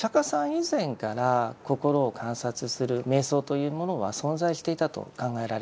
以前から心を観察する瞑想というものは存在していたと考えられています。